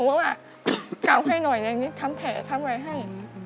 ผมว่าว่ากัวให้หน่อยอย่างนี้ทำแผลทำไว้ให้